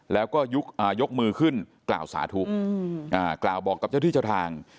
แล้วก็ยกมือขึ้นกล่าวสาธุกล่าวบอกกับเจ้าที่เจ้าทาง